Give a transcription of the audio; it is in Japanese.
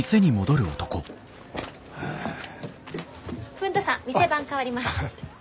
文太さん店番代わります。